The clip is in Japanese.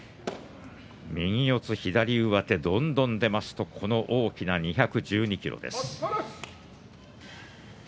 右四つ左上手、どんどん出ますと大きな２１２ｋｇです。